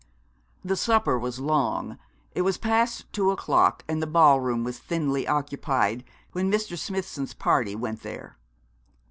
The supper was long. It was past two o'clock, and the ballroom was thinly occupied, when Mr. Smithson's party went there.